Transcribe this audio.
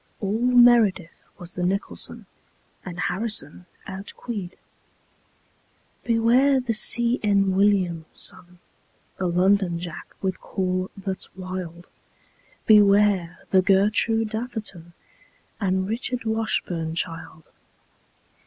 All meredith was the nicholson, And harrison outqueed. Beware the see enn william, son, The londonjack with call that's wild. Beware the gertroo datherton And richardwashburnchild.